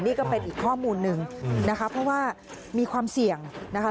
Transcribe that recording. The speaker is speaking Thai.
นี่ก็เป็นอีกข้อมูลหนึ่งนะคะเพราะว่ามีความเสี่ยงนะคะ